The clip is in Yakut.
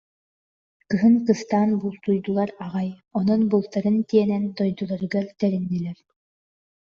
Кыһын кыстаан бултуйдулар аҕай, онон бултарын тиэнэн дойдуларыгар тэриннилэр